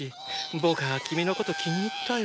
僕ァ君のこと気に入ったよ。